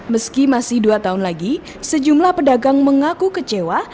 meski masih dua tahun lagi sejumlah pedagang mengaku kecewa